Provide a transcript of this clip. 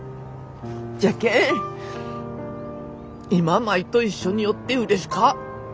じゃけん今舞と一緒におってうれしか。